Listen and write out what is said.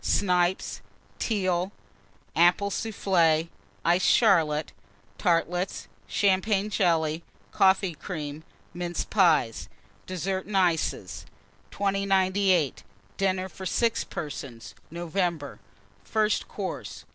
Snipes. Teal. Apple Soufflé. Iced Charlotte. Tartlets. Champagne Jelly. Coffee Cream. Mince Pies. DESSERT AND ICES. 2098. DINNER FOR 6 PERSONS (NOVEMBER). FIRST COURSE.